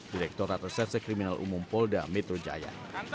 direkturat reserse kriminal umum polda metro jaya